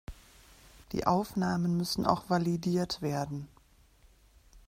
Die Aufnahmen müssen auch validiert werden.